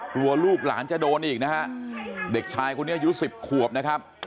ลูกหลานจะโดนอีกนะฮะเด็กชายคนนี้อายุ๑๐ขวบนะครับ